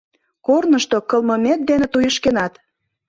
Корнышто кылмымет дене туешкенат.